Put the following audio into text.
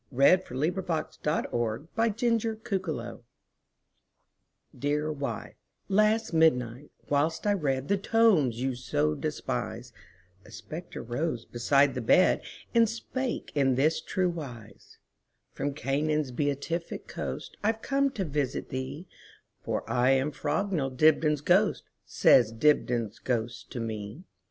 1900. By EugeneField 1045 Dibdin's Ghost DEAR wife, last midnight, whilst I readThe tomes you so despise,A spectre rose beside the bed, And spake in this true wise:"From Canaan's beatific coastI 've come to visit thee, For I am Frognall Dibdin's ghost,"Says Dibdin's ghost to me.